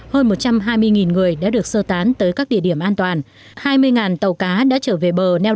hơn một trăm hai mươi người đã được sơ tán tới các địa điểm an toàn hai mươi tàu cá đã trở về bờ neo